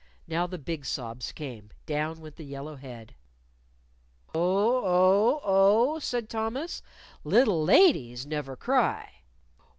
Now the big sobs came. Down went the yellow head. "Oh! Oh! Oh!" said Thomas. "Little ladies never cry."